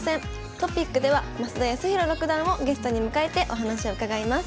トピックでは増田康宏六段をゲストに迎えてお話を伺います。